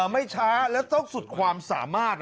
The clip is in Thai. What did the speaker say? ไม่ช้าแล้วต้องสุดความสามารถ